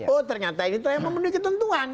oh ternyata ini telah memenuhi ketentuan